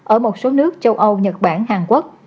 ở một số nước châu âu nhật bản hàn quốc